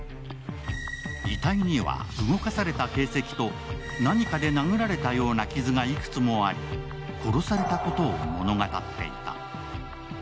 遺体には動かされた形跡と何かで殴られたような形跡がいくつもあり殺されたことを物語っていた。